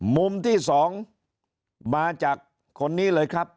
มุมที่๒มาจากคนนี้เลยครับ